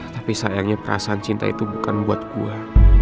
tapi sayangnya perasaan cinta itu bukan buat gue